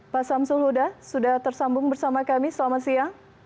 pak samsul huda sudah tersambung bersama kami selamat siang